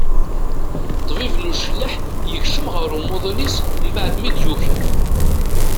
Ṭbib n ucelleḥ yekcem ɣer umuḍin-is mbaɛd mi d-yuki.